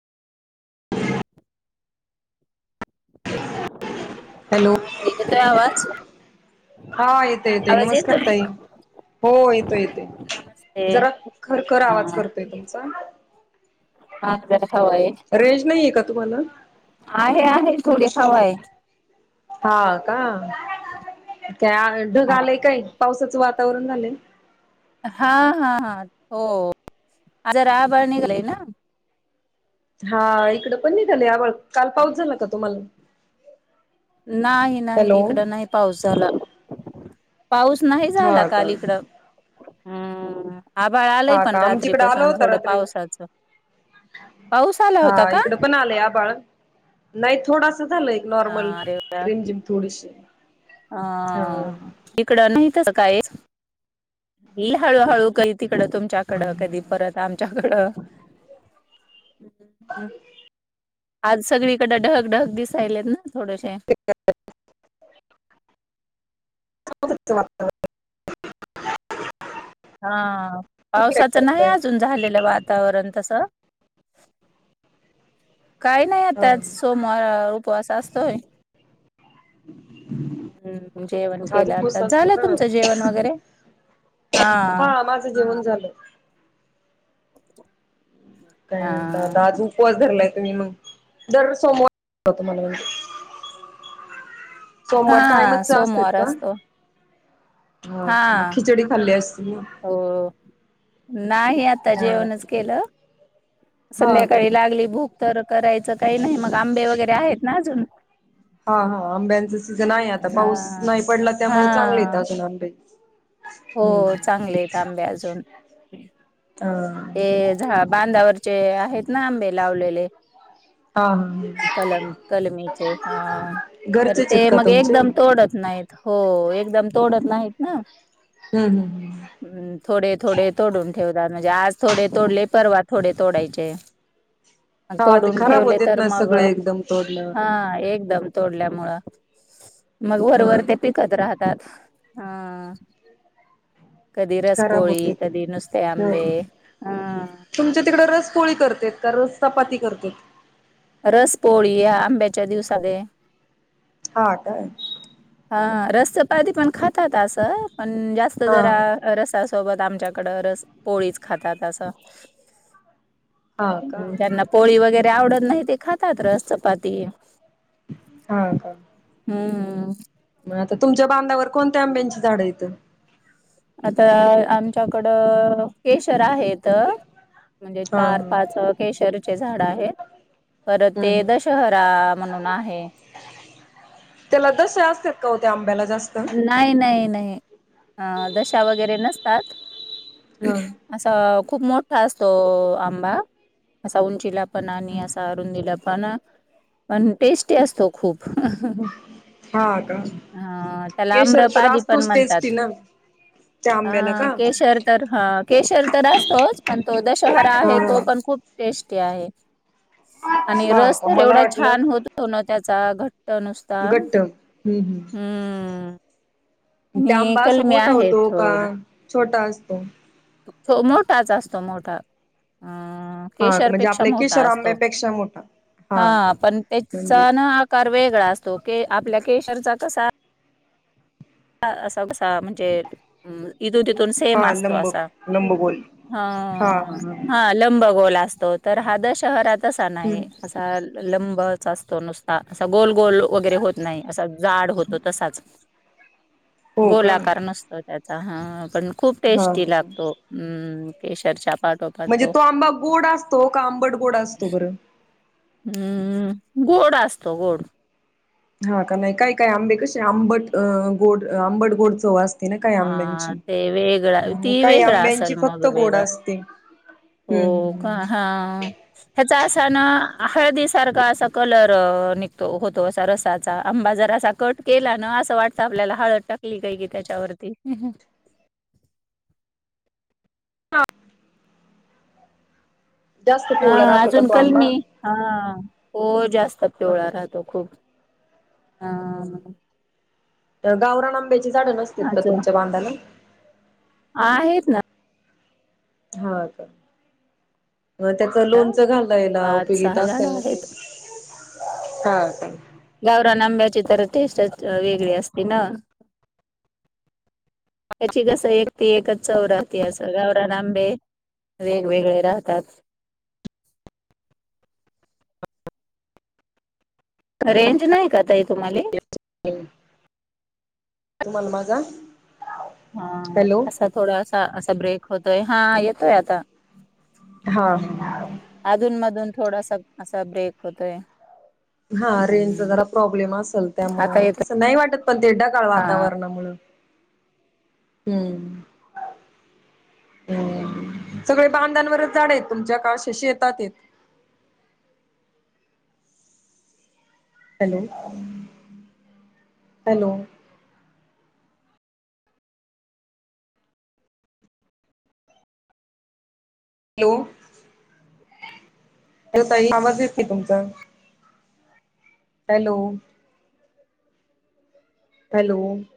[inaudible] [inaudible] Hello हा ताई येतोय आवाज? हा येते येते आवाज नमस्कार येतोय ताई हो येतोय येतोय नमस्ते जरा खरखर हा आवाज करतोय तुमचा. हा आपल्यालाच हवाय रेंज नाहीये का तुम्हाला आहे आहे थोडे खावाय हा का त्या ढग हा आलाय काय पावसाच वा आता आवरून झालंय. हा हा हा हो जरा आभाळ निघलय ना? हा इकडं पण निघालय आभाळ काल पाऊस झाला का तुम्हाला नाही नाही हॅलो इकडं नाही पाऊस झाला. पाऊस नाही झाला हा का काल इकडं. हम्म आभाळ आलय हा पण का आमच्याकडे आला रात्रीपसून होता थोडं रात्री पावसाचं. पाऊस आला हा होता का इकड पण आलंय आभाळ नाही थोडासा झालं एक हा नॉर्मल रिमझिम थोडीशी हा ह इकडं नाही तसं कायच ईल हळूहळू कधी तिकडं तुमच्याकड कधी परत आमच्याकडं आज सगळीकड ढग ढग दिसायलेत ना थोडेशे [unintelligible] हा तुम्ही काय पावसाचं नाही करताय अजून झालेलं वातावरण तसं [unintelligible] काही नाही आता हा सोमवार अ उपवास असतोय. [unintelligible] हम्म जेवण आज केलं उपवास आता असतो झालं का? तुमचं जेवण वगैरे? हा माझं जेवण झालं. [unintelligible] काय हा म्हणत आता आज उपवास धरलाय. ही मग दर सोमवार होत मला म्हणजे सोमवार हा कायमचा असतेत सोमवार का असतो हा हो खिचडी खाल्ली असते ना... हो. नाही आता हा का जेवणच केलं.. हा का संध्याकाळी लागली भुक तर करायचं काही नाही मग आंबे वगैरे आहेत ना अजून... हा हा आंब्यांचा सीझन आहे आता हा पाऊस नाही पडला त्यामुळे चांगले येत हा अजून आंबे... हम्म हो चांगले आहेत आंबे अजून अ ते झा बांधावर... चे आहेत ना आंबे लावलेले... [unintelligible] कलम कलमीचे हा तर घरचेच ते आहेत का मग तुमचे? एकदम हम्म तोडत नाही.. हो एकदम... तोडत नाहीत ना हम्म हम्म थोडे थोडे तोडून ठेवतात म्हणजे आज... थोडे तोडले परवा थोडे तोडायचे... हा ते तोडून खराब ठेवले होतेत तर ना मग सगळे एकदम तोडल्यावर हा एकदम तोडल्या... मग हा वरवर ते पिकत राहत.. हा कधी खराब रसपोळी होतेत. कधी नुसते आंबे... हम्म हा तुमच्या तिकडं रस पोळी करते का रस चपाती करते.. रस पोळी या आंब्याच्या दिवसाले.. हा काय... ह रस चपाती पण खातात असं पण जास्त हा जरा रसा... सोबत आमच्याकड रस पोळीच खातात असं.. हा का त्यांना पोळी वगैरे आवडत नाही ते खातात रस चपाती... हा का... हम्... हता तुमच्या बांधावर कोणत्या आंब्यांची झाडं येतं.. आता आमच्याकडं केशर आहे. म्हणजे हा चार पाच केशरीचे झाड आहेत. परत हम्म ते हम्म दशहरा म्हणून आहे. त्याला दश असतात का होत्या आंब्याला.. जास्त? हा नाही नाही नाही अ दशा वगैरे नसतात. असा खूप मोठा असतो आंबा असा उंचीला... पण आणि हम्म असा अरून दिला पण पण टेस्टी असतो खूप.. हा का हा... केशर तर असतोच टेस्टी ना.. ह आंब्याला का? केशर तर हा केशर तर असतोच पण तो दशहरा हा आहे तो हा पण खूप... टेस्टी आहे आणि हा रस का तर मला एवढा वाटलं छान होत त्याचा... तो नुस्ता हम्म... त्या आणि आंबा असा कलमी मोठा आहेत होतो का थोडे. छोटा असतो... तो मोठाच असतो मोठा... हा म्हणजे केशरपेक्षा आपल्या मोठा किशोर असतो... आंब्यापेक्षा मोठा हा का पण म्हणजे त्याचा ना आकार वेगळा असतो क आपल्या केशरचा कसा.... असा कसा म्हणजे इथून तिथून सेम हा असतो लंब असा... लंबगोल हा हा लंब गोल असत... तर हा दशहरा तसा हम्म नाही असा लंबच असतो नुसता असं गोल... गोल वगैरे होत नाही असा जाड होतो तसाच.. हो का गोलाकार नसतो त्याचा हा पण खूप हा टेस्टी लागतो अम.. केशराच्या... पाठो म्हणजे पाटो तो आंबा गोड असतो का आंबट गोड असतो बरं हम्म.... गोड असतो गोड... हा का नाही काय काय आंबे कसे आंबटं गोड आंबट गोड चव असत... ना काही हा आंब्यांची ते वेगळा आणि ती काही वेगळा आंब्यांची असेल फक्त मग घोड वेगळा असते हो हम्म हम्म का हम्म हा ह्याचा असा ना आखळदी सारखा असा कलर निघतो होतो असा रसाचा आंबा जर असा कट केला ना असं वाटतं आपल्याला हळद टकली काय की त्याच्यावरती ते हम ह ह हा राहतो का अजून तो आंबा कलमी हा हो जास्त हा पवळा राहतो खूप हा गावरा आंब्याची झाडं नसत का तुमच्या बांधाला आहेत ना हा का अ त्याच लोणच घाललं याला उपयोगीता झाडं असताल ना ते आहेत. हा का गावरान आंब्याची तर टेस्टच वेगळी असते ना त्याची कस एक ती एकच चौ राहती असं गावरा नांबे वेगवेगळे राहतात रेंज नाही का तई तुम्हाला काय मल मागा हा असा थोडासा असा ब्रेक होतोय हा येतोय आता हा अधून मधून थोडासा असा ब्रेक होतोय हा रेंजचा हम्म जरा प्रॉब्लेम असेल त्यामु आता येतोय तसं नाही वाटत पण ते ढकाळ हा वातावरणामुळ हम्म हम् सगळे बांधांवरच झाडे आहेत तुमच्या काशशी येतात य हॅलो हॅलो हॅलो ला तई आवाज येत नाही तुमचा हॅलो हॅलो